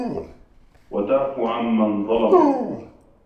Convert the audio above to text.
وَتَعْفُوَ عَمَّنْ ظَلَمَكَ